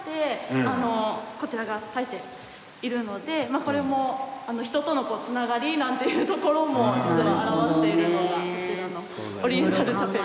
これも人との繋がりなんていうところも実は表しているのがこちらのオリエンタルチャペル。